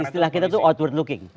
istilah kita tuh outward looking